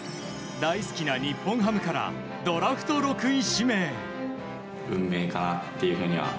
大好きな日本ハムからドラフト６位指名。